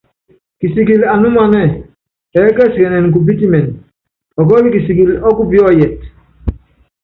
Kisikili anúmanɛ́ɛ, ɛɛ́ kɛsikɛnɛ kupítimɛn, ɔkɔ́lɔ kisikili ɔ́kupíɔ́yɛt.